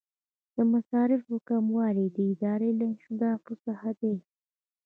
د مصارفو کموالی د ادارې له اهدافو څخه دی.